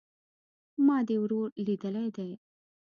ما دي ورور ليدلى دئ